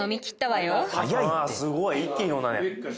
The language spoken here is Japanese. すごい一気に飲んだね